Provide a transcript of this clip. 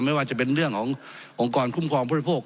ไม่ว่าจะเป็นเรื่องขององค์กรคุ้มความพุทธโภค